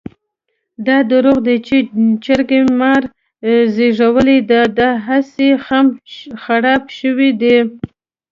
دا درواغ دي چې چرګې مار زېږولی دی؛ داهسې خم خراپ شوی دی.